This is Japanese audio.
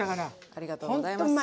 ありがとうございます。